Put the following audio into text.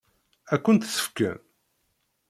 Ad kent-t-fken?